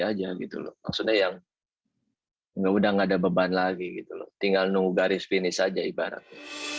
saya nari aja gitu lho maksudnya yang nggak udah nggak ada beban lagi tinggal nunggu garis finish aja ibaratnya